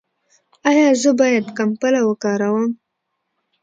ایا زه باید کمپله وکاروم؟